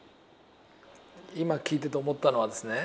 今聞いてて思ったのはですね